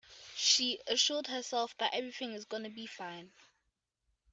She assured herself that everything is gonna be fine.